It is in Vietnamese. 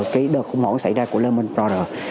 cái đợt khủng hoảng xảy ra của lehman brothers